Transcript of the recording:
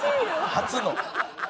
初の。